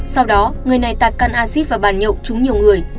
sau đó người này tạt căn acid và bàn nhậu trúng nhiều người